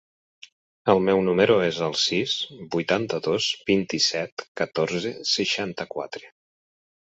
El meu número es el sis, vuitanta-dos, vint-i-set, catorze, seixanta-quatre.